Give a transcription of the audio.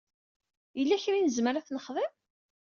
Yella kra i nezmer ad t-nexdem?